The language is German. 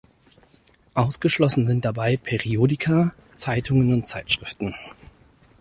Ausgeschlossen sind dabei Periodika, Zeitungen und Zeitschriften.